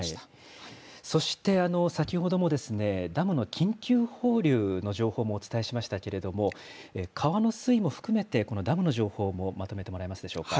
そして、先ほども、ダムの緊急放流の情報もお伝えしましたけれども、川の水位も含めて、このダムの情報もまとめてもらえますでしょうか。